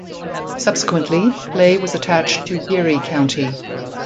Subsequently, Clay was attached to Geary County.